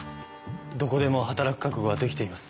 どこでも働く覚悟はできています。